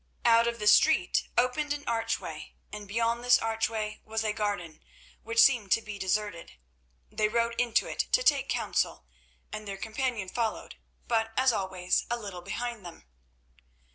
Out of the street opened an archway, and beyond this archway was a garden, which seemed to be deserted. They rode into it to take counsel, and their companion followed, but, as always, a little behind them.